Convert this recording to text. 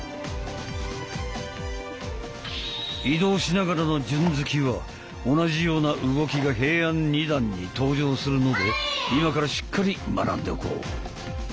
移動しながらの順突きは同じような動きが平安二段に登場するので今からしっかり学んでおこう！